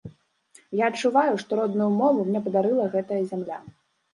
Я адчуваю, што родную мову мне падарыла гэтая зямля.